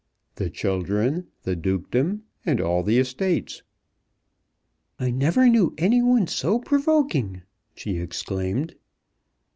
"The children, the dukedom, and all the estates." "I never knew any one so provoking," she exclaimed.